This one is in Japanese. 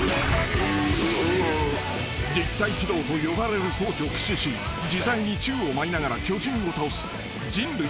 ［立体機動と呼ばれる装置を駆使し自在に宙を舞いながら巨人を倒す人類